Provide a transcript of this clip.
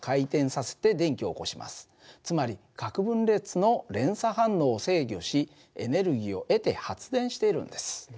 つまり核分裂の連鎖反応を制御しエネルギーを得て発電しているんです。